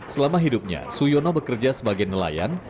selama hidupnya suyono bekerja sebagai nelayan